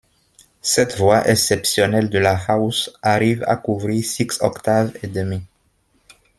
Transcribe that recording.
Cette voix exceptionnelle de la house arrive à couvrir six octaves et demi.